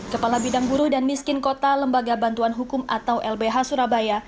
kepala bidang buruh dan miskin kota lembaga bantuan hukum atau lbh surabaya